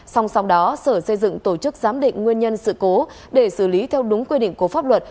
song song đó sở xây dựng tổ chức giám định nguyên nhân sự cố để xử lý theo đúng quy định của pháp luật